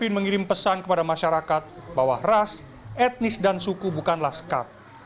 bin mengirim pesan kepada masyarakat bahwa ras etnis dan suku bukanlah sekat